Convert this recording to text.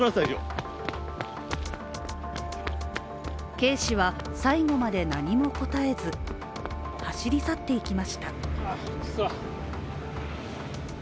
Ｋ氏は最後まで何も答えず走り去っていきました。